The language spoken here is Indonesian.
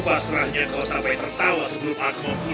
ternyata satria garuda seorang pemicu